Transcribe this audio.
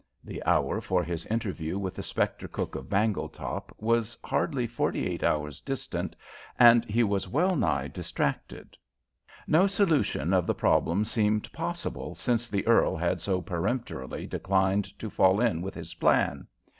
The hour for his interview with the spectre cook of Bangletop was hardly forty eight hours distant, and he was wellnigh distracted. No solution of the problem seemed possible since the earl had so peremptorily declined to fall in with his plan.